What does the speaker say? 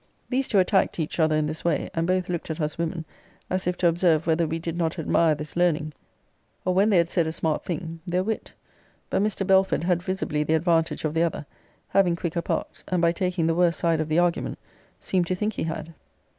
These two attacked each other in this way; and both looked at us women, as if to observe whether we did not admire this learning, or when they had said a smart thing, their wit. But Mr. Belford had visibly the advantage of the other, having quicker parts, and by taking the worst side of the argument, seemed to think he had.